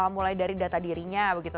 mulai dari data dirinya begitu